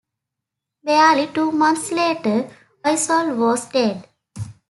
Barely two months later, Whysall was dead.